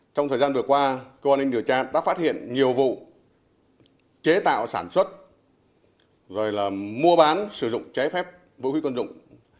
trong thời gian vừa qua công an anh điều tra đã phát hiện nhiều vụ chế tạo sản xuất mua bán sử dụng chế phép vũ khí quân dụng